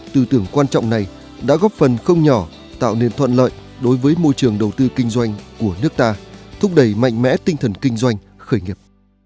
tư tưởng quan trọng này đã góp phần không nhỏ tạo nên thuận lợi đối với môi trường đầu tư kinh doanh của nước ta thúc đẩy mạnh mẽ tinh thần kinh doanh khởi nghiệp